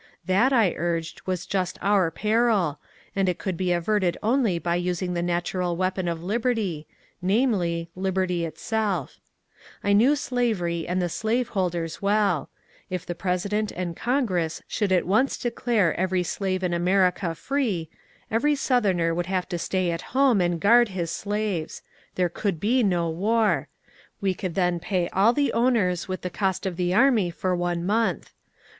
That, I urged, was just our peril, and it could be averted only by usjpg the natural weapon of liberty, — namely, liberty itself, i 1 knew slavery and the slaveholders well; if the President and Congress should at once declare every slave in America free, every Southerner would have to stay at home and guard his slaves. There could be no war. We could then pay all the owners with the cost of the army for one month.